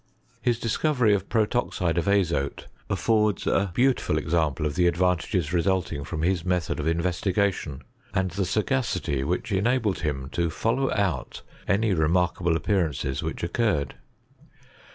His discovery of protoxide of azote affords a beautiful example of the advant^es resulting from his method of investigation, and the sagacity which enabled him to follow out any re markable appearances which occurred.